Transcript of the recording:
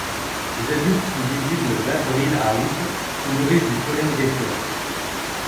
Les adultes sont visibles d'avril à août, se nourrissent du pollen des fleurs.